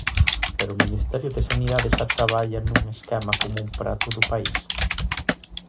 Pero o Ministerio de Sanidade xa traballa nun esquema común para todo o país.